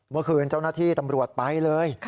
เมื่อคืนเจ้านทรัฐนาธิตำรวจไปเลย